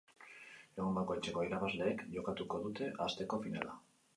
Egun bakoitzeko irabazleek jokatuko dute asteko finala.